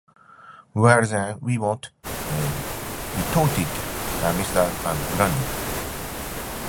‘Well, then, he won’t,’ retorted Mr. Grundy.